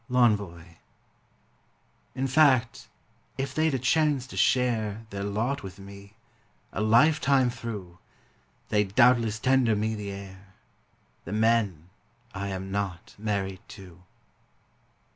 L'ENVOI In fact, if they'd a chance to share Their lot with me, a lifetime through, They'd doubtless tender me the air The men I am not married to.